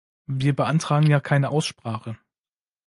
Wir beantragen ja keine Aussprache.